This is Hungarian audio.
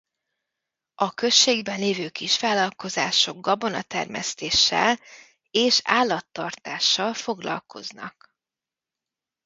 A községben lévő kisvállalkozások gabonatermesztéssel és állattartással foglalkoznak.